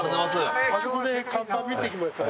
あそこで看板見てきましたから。